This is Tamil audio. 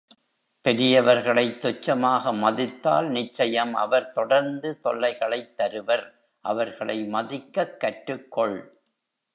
பெரியவர்களைத் துச்சமாக மதித்தால் நிச்சயம் அவர் தொடர்ந்து தொல்லைகளைத் தருவர் அவர்களை மதிக்கக் கற்றுக்கொள்.